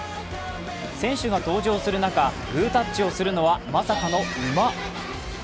選手が登場する中、グータッチをするのは、まさかの馬！？